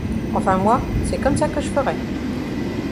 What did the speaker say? Enfin moi, c'est comme ça que je ferais